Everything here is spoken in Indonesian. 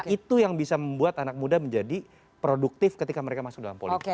itu yang bisa membuat anak muda menjadi produktif ketika mereka masuk dalam politik